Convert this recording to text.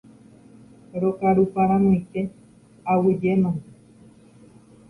Rokaruparamoite, aguyjemante.